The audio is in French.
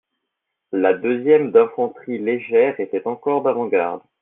La deuxième d'infanterie légère était encore d'avant-garde.